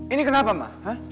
ini kenapa ma